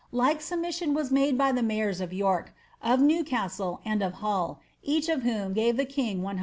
Like submission was made by the mayors of York, of Newcastle, and of Hull, each of whom gave the king 100